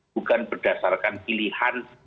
bukan berdasarkan pilihan